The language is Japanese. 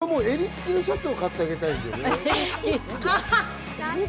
俺は襟付きのシャツを買ってあげたい。